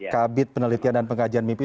kabit penelitian dan pengajian mimpi